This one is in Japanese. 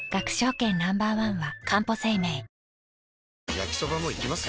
焼きソバもいきます？